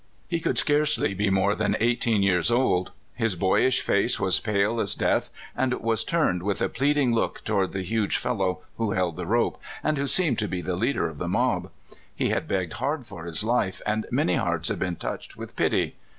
He could scarcely be more than eit^hteen years old. His boyish face was pale as death, and was turned with a pleading look toward the huge fellow who held the rope, and who seemed to be the leader of the mob. He had begged hard for his life, and many hearts had been touched with pity.